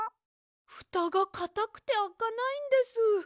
ふたがかたくてあかないんです。